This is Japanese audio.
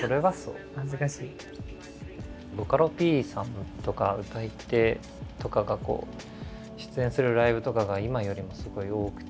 ボカロＰさんとか歌い手とかが出演するライブとかが今よりもすごい多くて。